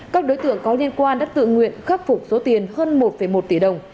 các đối tượng có liên quan đã tự nguyện khắc phục số tiền hơn một một tỷ đồng